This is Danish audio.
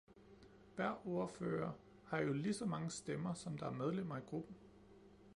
Hver ordfører har jo lige så mange stemmer, som der er medlemmer i gruppen.